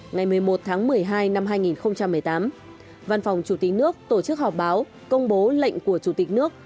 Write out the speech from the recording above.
ngày một mươi một tháng một mươi hai năm hai nghìn một mươi tám văn phòng chủ tịch nước tổ chức họp báo công bố lệnh của chủ tịch nước